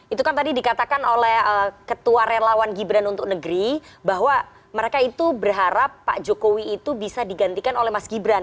itu kan tadi dikatakan oleh ketua relawan gibran untuk negeri bahwa mereka itu berharap pak jokowi itu bisa digantikan oleh mas gibran